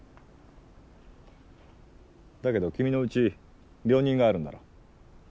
だけど君のうち病人があるんだろう。